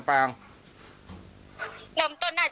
ไม่ได้ท้องค่ะ